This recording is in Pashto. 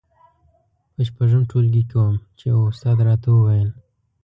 په شپږم ټولګي کې وم چې يوه استاد راته وويل.